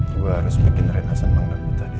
gua harus bikin rena senang dan pentadir